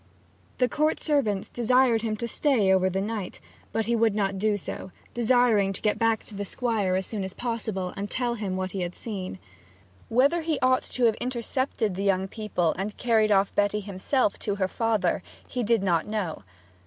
The Court servants desired him to stay over the night, but he would not do so, desiring to get back to the Squire as soon as possible and tell what he had seen. Whether he ought not to have intercepted the young people, and carried off Betty himself to her father, he did not know.